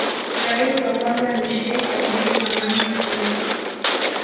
Rais wa kwanza ni Sheikh Abeid Aman Karume